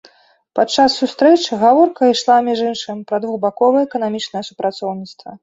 Падчас сустрэчы гаворка ішла, між іншым, пра двухбаковае эканамічнае супрацоўніцтва.